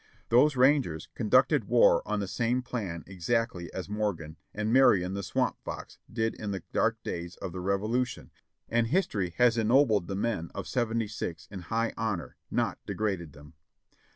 Those rangers conducted war on the same plan exactly as Morgan, and Marion, the Swamp Fox, did in the dark days of the Revolution, and history has ennobled the men of Seventy six in high honor, not degraded them.